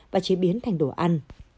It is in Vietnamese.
và chế biến thành đồ ăn